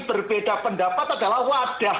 berbeda pendapat adalah wadah